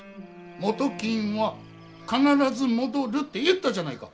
元金は必ず戻るって言ったじゃないか。